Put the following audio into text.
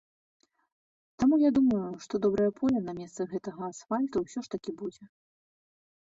Таму я думаю, што добрае поле на месцы гэтага асфальту ўсё ж такі будзе.